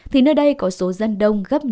thì nơi đây có số dân đông gấp nhiều